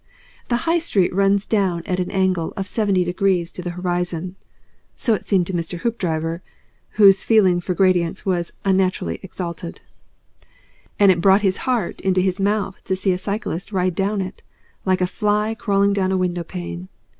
The High Street runs down at an angle of seventy degrees to the horizon (so it seemed to Mr. Hoopdriver, whose feeling for gradients was unnaturally exalted), and it brought his heart into his mouth to see a cyclist ride down it, like a fly crawling down a window pane.